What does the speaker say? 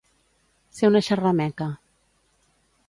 Ser una xerrameca.